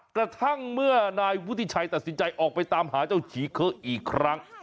กระทั่งเมื่อนายวุฒิชัยตัดสินใจออกไปตามหาเจ้าฉีเคอะอีกครั้ง